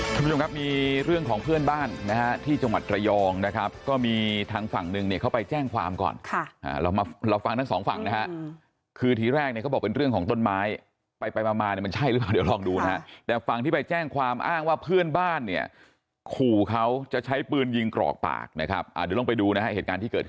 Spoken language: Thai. คุณผู้ชมครับมีเรื่องของเพื่อนบ้านนะฮะที่จังหวัดระยองนะครับก็มีทางฝั่งหนึ่งเนี่ยเขาไปแจ้งความก่อนค่ะอ่าเรามาเราฟังทั้งสองฝั่งนะฮะคือทีแรกเนี่ยเขาบอกเป็นเรื่องของต้นไม้ไปไปมามาเนี่ยมันใช่หรือเปล่าเดี๋ยวลองดูนะฮะแต่ฝั่งที่ไปแจ้งความอ้างว่าเพื่อนบ้านเนี่ยขู่เขาจะใช้ปืนยิงกรอกปากนะครับอ่าเดี๋ยวลองไปดูนะฮะเหตุการณ์ที่เกิดขึ้น